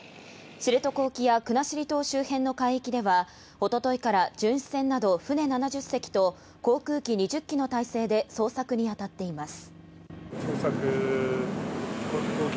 知床沖や国後島周辺の海域ではおとといから巡視船など船７０隻と航空機２０機の態勢で捜索に当たっています。